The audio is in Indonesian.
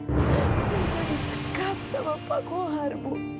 dia dalam sekat sama pak kauh hari bu